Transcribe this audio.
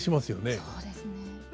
そうですね。